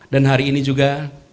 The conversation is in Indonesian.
dan hari ini juga